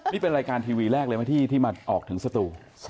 นี่เป็นรายการทีวีแรกเลยไหมที่มาออกถึงสตู